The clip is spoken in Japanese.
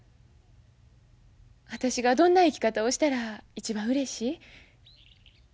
私がどんな生き方をしたら一番うれしい？